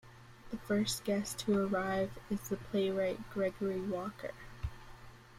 The first guest to arrive is the playwright Gregory Walker.